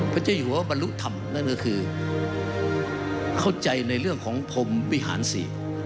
พระเจ้าอยู่วะบรรลุธรรมนั่นก็คือเข้าใจในเรื่องของผมวิหารสิ